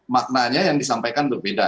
maknanya yang disampaikan berbeda